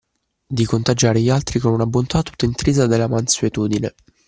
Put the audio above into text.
Di contagiare gli altri con una bontà tutta intrisa della mansuetudine